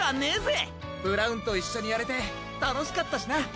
ブラウンといっしょにやれてたのしかったしな！